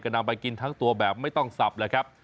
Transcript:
นำไปกินทั้งตัวแบบไม่ต้องสับเลยครับ